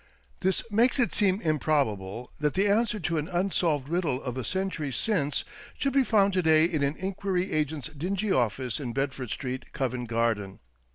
This makes it seem improbable that the answer to an unsolved riddle of a century since should be found to day in an inquiry agent's dingy office in Bedford Street, Covent Garden.